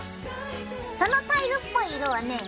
そのタイルっぽい色はね